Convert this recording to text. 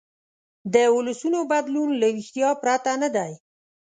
د ولسونو بدلون له ویښتیا پرته نه دی.